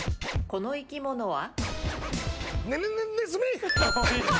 この生き物は？